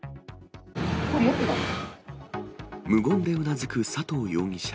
無言でうなずく佐藤容疑者。